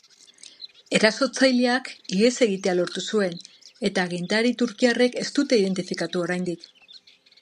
Erasotzaileak ihes egitea lortu zuen, eta agintari turkiarrek ez dute identifikatu oraindik.